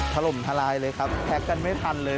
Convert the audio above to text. ถล่มทลายเลยครับแท็กกันไม่ทันเลย